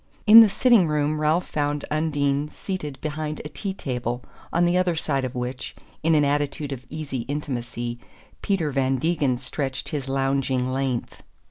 In the sitting room Ralph found Undine seated behind a tea table on the other side of which, in an attitude of easy intimacy, Peter Van Degen stretched his lounging length.